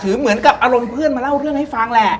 เหมือนกับอารมณ์เพื่อนมาเล่าเรื่องให้ฟังแหละ